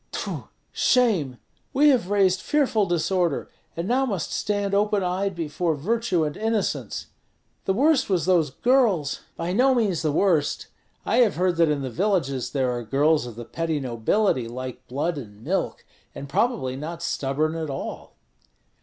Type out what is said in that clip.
Tfu! shame! We have raised fearful disorder, and now must stand open eyed before virtue and innocence. The worst was those girls " "By no means the worst. I have heard that in the villages there are girls of the petty nobility like blood and milk, and probably not stubborn at all."